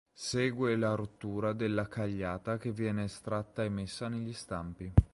Segue la rottura della cagliata che viene estratta e messa negli stampi.